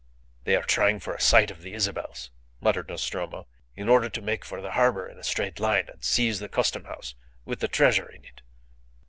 "They are trying for a sight of the Isabels," muttered Nostromo, "in order to make for the harbour in a straight line and seize the Custom House with the treasure in it.